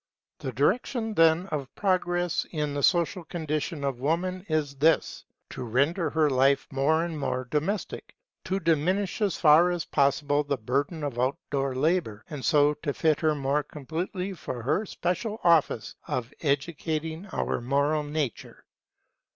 The direction, then, of progress in the social condition of woman is this: to render her life more and more domestic; to diminish as far as possible the burden of out door labour; and so to fit her more completely for her special office of educating our moral nature.